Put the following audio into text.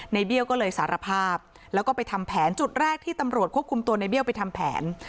เบี้ยวก็เลยสารภาพแล้วก็ไปทำแผนจุดแรกที่ตำรวจควบคุมตัวในเบี้ยวไปทำแผน